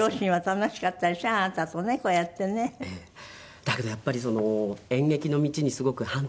だけどやっぱり演劇の道にすごく反対だったんで。